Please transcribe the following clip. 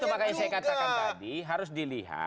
itu makanya saya katakan tadi harus dilihat